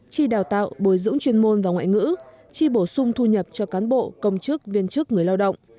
chỉ đào tạo bồi dũng chuyên môn và ngoại ngữ chỉ bổ sung thu nhập cho cán bộ công chức viên chức người lao động